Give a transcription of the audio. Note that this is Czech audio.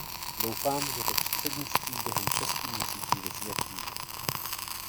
Doufám, že to předsednictví během šesti měsíců vysvětlíme.